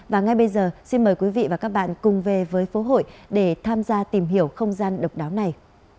và ngay bây giờ xin mời quý vị và các bạn cùng về với phố hội để tham gia tìm hiểu không gian độc đáo này